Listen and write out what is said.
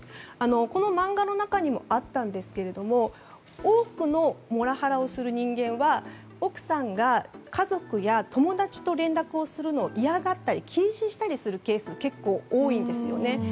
この漫画の中にもあったんですが多くのモラハラをする人間は奥さんが家族や友達と連絡をするのを嫌がったり禁止したりするケースが結構多いんですよね。